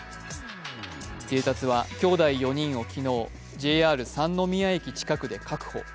警察はきょうだい４人を昨日、ＪＲ三ノ宮駅近くで確保。